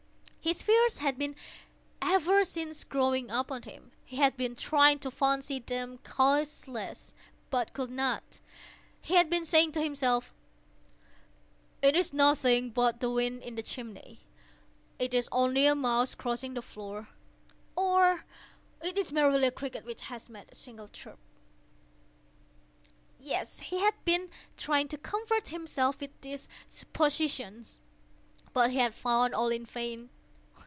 His fears had been ever since growing upon him. He had been trying to fancy them causeless, but could not. He had been saying to himself—"It is nothing but the wind in the chimney—it is only a mouse crossing the floor," or "It is merely a cricket which has made a single chirp." Yes, he had been trying to comfort himself with these suppositions: but he had found all in vain.